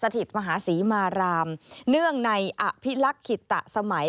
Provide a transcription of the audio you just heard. ถิตมหาศรีมารามเนื่องในอภิลักษ์ขิตสมัย